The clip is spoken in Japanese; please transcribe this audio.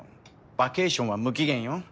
バケーションは無期限よ。